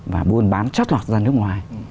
và buôn bán trót lọt ra nước ngoài